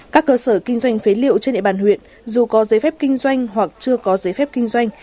các cơ sở kinh doanh phế liệu trên địa bàn huyện dù có giấy phép kinh doanh hoặc chưa có giấy phép kinh doanh